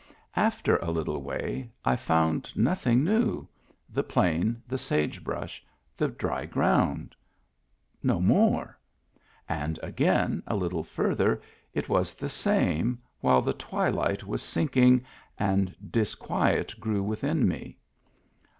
After " a little way " I found nothing new — the plain, the sage brush, the dry ground — no more ; and again a little further it was the same, while the twilight was sinking, and disquiet grew within me.